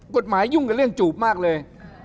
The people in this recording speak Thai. กฎหมายยุ่งกับเรื่องจูบมากเลย